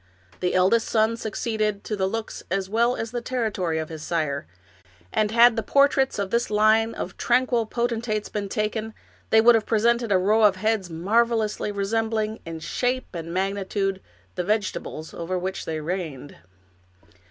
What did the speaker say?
The eldest son succeeded to the looks as well as the territory of his sire, and had the portraits of this line of tranquil potentates been taken, they would have presented a row of heads marvelously resembling, in shape and magnitude, the vegetables over which they reigned.